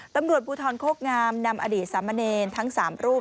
ตำรวจภูทรโคกงามนำอดีตสามเณรทั้ง๓รูป